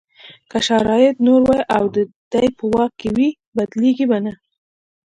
کله چې شرایط نور وي او دی په واک کې وي بدلېږي به نه.